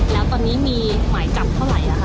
แล้วตอนนี้มีหมายจับเท่าไหร่คะ